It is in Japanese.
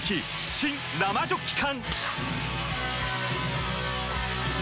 新・生ジョッキ缶！